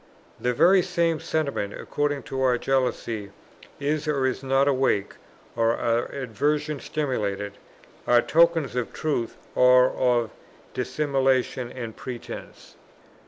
The very same sentiments, according as our jealousy is or is not awake, or our aversion stimulated, are tokens of truth or of dissimulation and pretence.